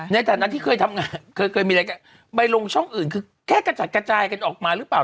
ในฐานะที่เคยทำงานเคยมีรายการใบลงช่องอื่นคือแค่กระจัดกระจายกันออกมาหรือเปล่า